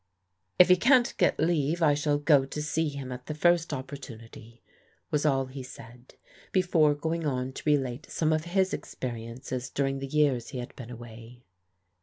" If he can't get leave I shall go to see him at the first opportunity," was all he said, before going on to relate some of his experiences during the years he had been away.